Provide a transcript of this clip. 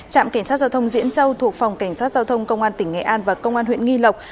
trạm cảnh sát giao thông diễn châu thuộc phòng cảnh sát giao thông công an tỉnh nghệ an và công an huyện nghi lộc